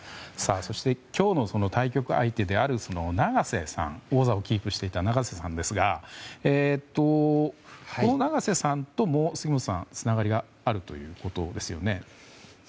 そして今日の対局相手である王座をキープしていた永瀬さんですがこの永瀬さんとも杉本さんはつながりがあるんですよね。